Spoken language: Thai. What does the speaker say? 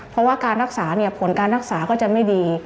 เพราะว่าการรักษาเนี่ยผลการรักษาก็จะไม่ดี